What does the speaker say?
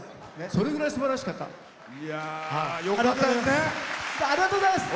それぐらい、すばらしいです。